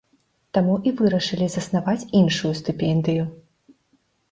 Таму і вырашылі заснаваць іншую стыпендыю.